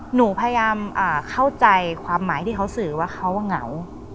หนูพยายามเข้าใจความหมายที่เขาสื่อว่าเขาเหงา